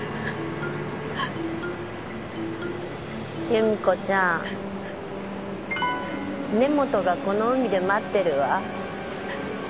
由美子ちゃん根本がこの海で待ってるわ。